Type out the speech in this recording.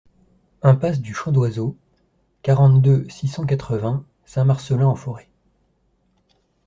Impasse du Chant d'Oiseau, quarante-deux, six cent quatre-vingts Saint-Marcellin-en-Forez